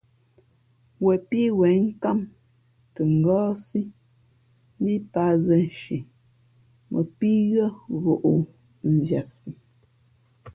Wen pí wen nkám tα ngάάsí, ndíʼ pat zα nshi mα pǐ yʉ̄ᾱ ghoʼ mvanī.